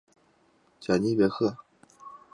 贾尼别克。